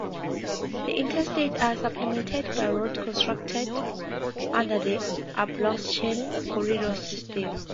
The interstates are supplemented by roads constructed under the Appalachian Corridor system.